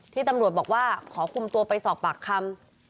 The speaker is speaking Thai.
ที่ตำรวจบอกว่าขอคุมตัวไปสอบปากคำ